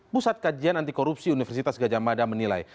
pusat kajian antikorupsi universitas gajah mada menilai